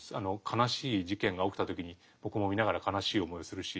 悲しい事件が起きた時に僕も見ながら悲しい思いをするし。